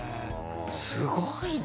すごいな。